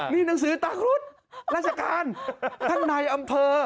นี่หนังสือตาครุฑราชการท่านในอำเภอ